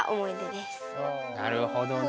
なるほどね。